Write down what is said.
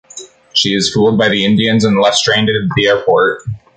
She is fooled by the Indians and left stranded at the airport.